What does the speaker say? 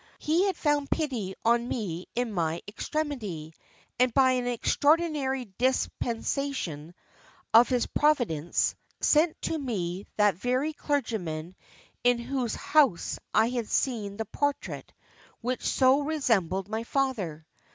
He had pity on me in my extremity, and by an extraordinary dispensation of His Providence, sent to me that very clergyman in whose house I had seen the portrait which so resembled my father.